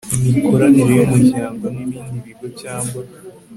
imikoranire y umuryango n ibindi bigo cyangwa